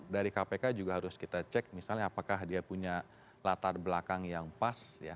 dari kpk juga harus kita cek misalnya apakah dia punya latar belakang yang pas